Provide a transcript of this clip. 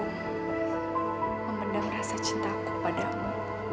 memendang rasa cinta aku padamu